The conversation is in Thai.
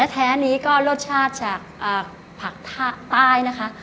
แท้นี้ก็รสชาติจากผักใต้นะคะ